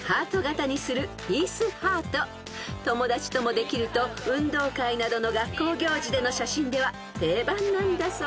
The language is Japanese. ［友達ともできると運動会などの学校行事での写真では定番なんだそうです］